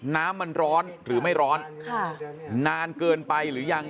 น้ำมันร้อนหรือไม่ร้อนค่ะนานเกินไปหรือยัง